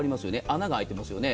穴が開いていますよね。